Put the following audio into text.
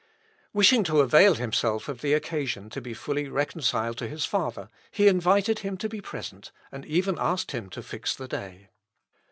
Wishing to avail himself of the occasion to be fully reconciled to his father, he invited him to be present, and even asked him to fix the day.